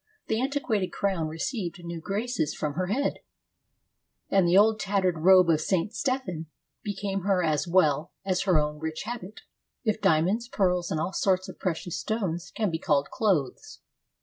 The antiquated crown received new graces from her head; and the old tattered robe of St. Stephen became her as well as her own rich habit, if diamonds, pearls, and all sorts of precious stones can be called clothes."